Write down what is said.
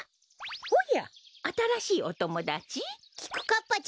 おやあたらしいおともだち？きくかっぱちゃんだよ。